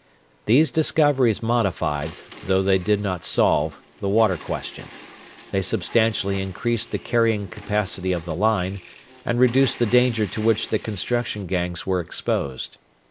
These discoveries modified, though they did not solve, the water question. They substantially increased the carrying capacity of the line, and reduced the danger to which the construction gangs were exposed.